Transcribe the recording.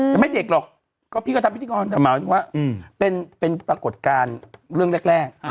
แต่ไม่เด็กหรอกก็พี่ก็ทำพิธีกรแต่หมายถึงว่าเป็นปรากฏการณ์เรื่องแรก